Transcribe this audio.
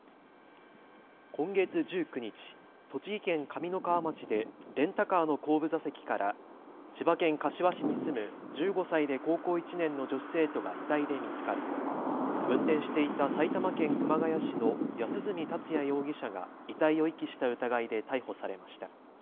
今月１９日、栃木県上三川町でレンタカーの後部座席から千葉県柏市に住む１５歳で高校１年の女子生徒が遺体で見つかり運転していた埼玉県熊谷市の安栖達也容疑者が遺体を遺棄した疑いで逮捕されました。